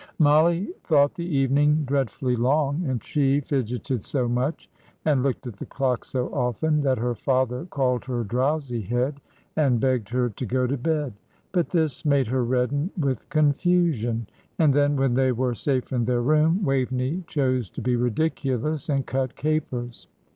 Mollie thought the evening dreadfully long, and she fidgeted so much, and looked at the clock so often, that her father called her drowsy head, and begged her to go to bed; but this made her redden with confusion. And then, when they were safe in their room, Waveney chose to be ridiculous and cut capers.